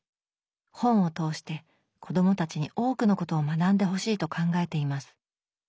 本を通して子どもたちに多くのことを学んでほしいと考えています